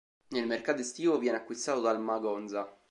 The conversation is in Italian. Nel mercato estivo viene acquistato dal Magonza.